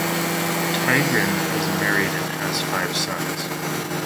Tigran is married and has five sons.